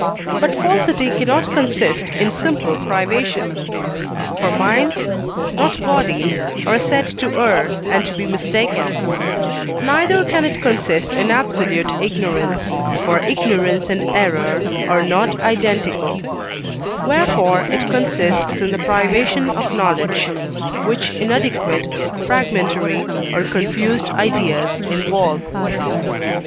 but falsity cannot consist in simple privation (for minds, not bodies, are said to err and to be mistaken), neither can it consist in absolute ignorance, for ignorance and error are not identical; wherefore it consists in the privation of knowledge, which inadequate, fragmentary, or confused ideas involve.